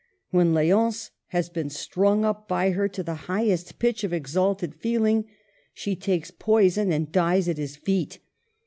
When L6once has been strung up by her to the highest pitch of exalted feeling, she takes poison and dies at his feet.